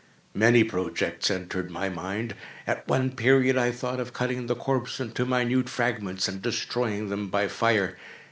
Many projects entered my mind. At one period I thought of cutting the corpse into minute fragments, and destroying them by fire.